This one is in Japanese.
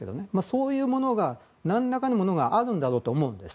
そういう何らかのものがあるんだと思うんです。